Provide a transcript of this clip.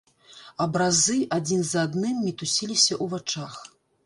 Абразы адзін за адным мітусіліся ў вачах.